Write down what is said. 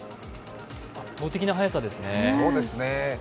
圧倒的な速さですね。